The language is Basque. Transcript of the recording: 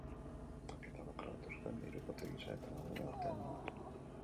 Maketa bat grabatu zuten hirukote gisa, eta lagunen artean banatu.